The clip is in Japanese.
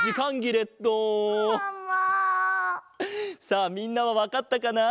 さあみんなはわかったかな？